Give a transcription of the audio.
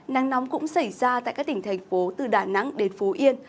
nắng nóng cũng xảy ra tại các tỉnh thành phố từ đà nẵng đến phú yên